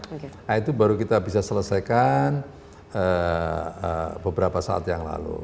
nah itu baru kita bisa selesaikan beberapa saat yang lalu